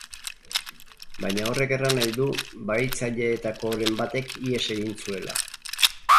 Baina horrek erran nahi du bahitzaileetakoren batek ihes egin zuela!